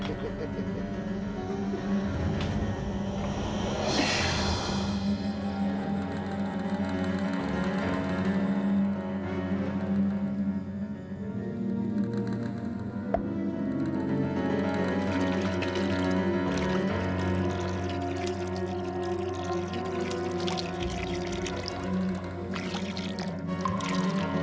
sekarang semuanya sudah siap